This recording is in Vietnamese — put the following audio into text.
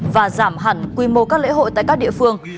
và giảm hẳn quy mô các lễ hội tại các địa phương